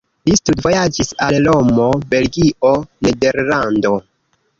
Li studvojaĝis al Romo, Belgio, Nederlando.